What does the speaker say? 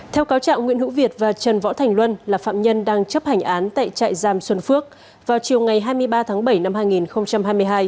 theo cáo trạng nguyễn hữu việt và trần võ thành luân là phạm nhân đang chấp hành án tại trại giam xuân phước vào chiều ngày hai mươi ba tháng bảy năm hai nghìn hai mươi hai